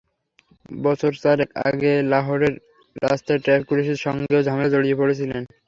বছর চারেক আগে লাহোরের রাস্তায় ট্রাফিক পুলিশের সঙ্গেও ঝামেলায় জড়িয়ে পড়েছিলেন।